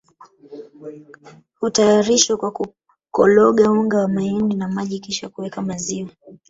hutayarishwa kwa kukologa unga wa mahindi na maji kisha kuweka maziwa